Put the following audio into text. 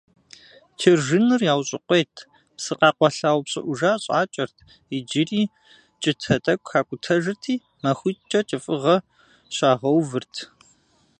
чыржыныр яущыкъуейт, псы къэкъуэлъа упщIыIужа щIакIэрт, иджыри кIытэ тIэкIу хакIутэжырти, махуиткIэ кIыфIыгъэ щагъэувырт.